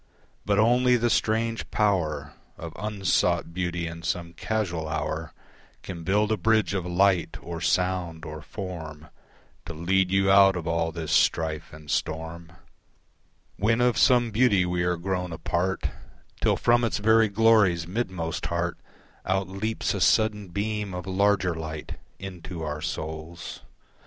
But only the strange power Of unsought Beauty in some casual hour Can build a bridge of light or sound or form To lead you out of all this strife and storm; When of some beauty we are grown a part Till from its very glory's midmost heart Out leaps a sudden beam of larger light Into our souls.